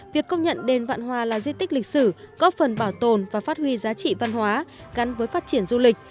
việc công nhận đền vạn hòa là di tích lịch sử góp phần bảo tồn và phát huy giá trị văn hóa gắn với phát triển du lịch